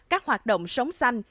các hoạt động sống xanh